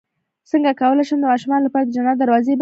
څنګه کولی شم د ماشومانو لپاره د جنت دروازې بیان کړم